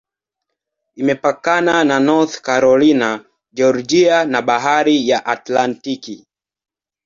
Imepakana na North Carolina, Georgia na Bahari ya Atlantiki.